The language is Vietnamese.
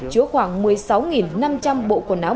chứa khoảng một mươi sáu năm trăm linh bộ quần áo